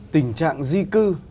tình trạng di cư